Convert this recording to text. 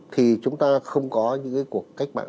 thì chúng ta không có những cuộc cách mạng